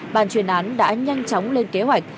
ban chuyên án đã nhanh chóng lên kế hoạch